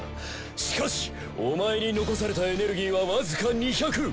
しかしお前に残されたエネルギーはわずか２００。